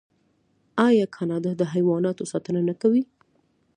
آیا کاناډا د حیواناتو ساتنه نه کوي؟